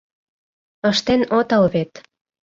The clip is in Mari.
Ыштен отыл вет.